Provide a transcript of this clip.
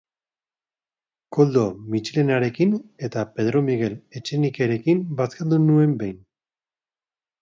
Koldo Mitxelenarekin eta Pedro Miguel Etxenikerekin bazkaldu nuen behin.